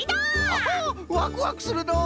アハワクワクするのう！